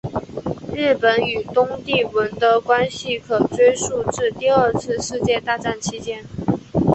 日本与东帝汶的关系可追溯至第二次世界大战期间。